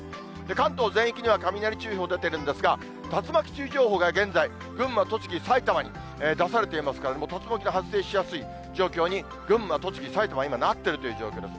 関東全域には雷注意報出てるんですが、竜巻注意情報が現在、群馬、栃木、埼玉に出されていますからね、竜巻が発生しやすい状況に群馬、栃木、埼玉は今、なっているという状況です。